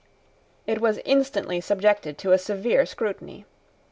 It was instantly subjected to a severe scrutiny.